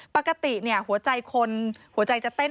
ปกติหัวใจจะเต้น